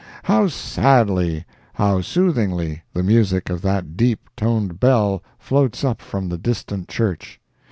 How sadly, how soothingly the music of that deep toned bell floats up from the distant church!